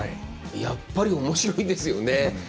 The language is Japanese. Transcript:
やっぱりおもしろいですよね。